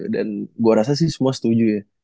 dan gue rasa sih semua setuju ya